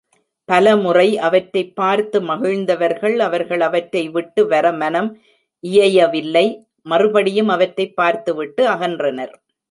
பலமுறை அவற்றைப் பார்த்து மகிழ்ந்தவர்கள் அவர்கள் அவற்றை விட்டு வர மனம் இயையவில்லை மறுபடியும் அவற்றைப் பார்த்துவிட்டு அகன்றனர்.